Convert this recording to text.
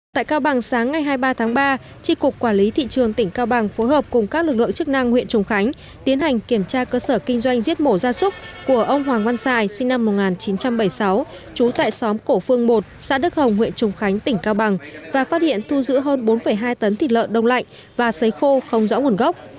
tại cao bằng sáng ngày hai mươi ba tháng ba tri cục quản lý thị trường tỉnh cao bằng phối hợp cùng các lực lượng chức năng huyện trùng khánh tiến hành kiểm tra cơ sở kinh doanh giết mổ ra súc của ông hoàng văn sài sinh năm một nghìn chín trăm bảy mươi sáu trú tại xóm cổ phương một xã đức hồng huyện trùng khánh tỉnh cao bằng và phát hiện thu giữ hơn bốn hai tấn thịt lợn đông lạnh và xấy khô không rõ nguồn gốc